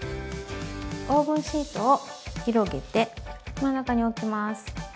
オーブンシートを広げて真ん中に置きます。